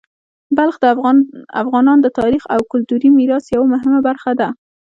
بلخ د افغانانو د تاریخي او کلتوري میراث یوه مهمه برخه ده.